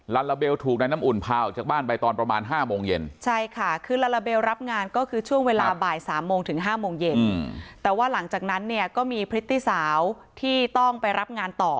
ลาลาเบลถูกในน้ำอุ่นพาออกจากบ้านไปตอนประมาณ๕โมงเย็น